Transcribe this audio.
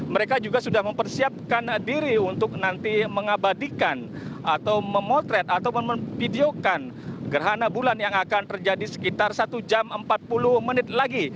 mereka juga sudah mempersiapkan diri untuk nanti mengabadikan atau memotret atau memvideokan gerhana bulan yang akan terjadi sekitar satu jam empat puluh menit lagi